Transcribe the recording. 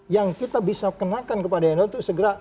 yang kita bisa kenakan kepada nu itu segera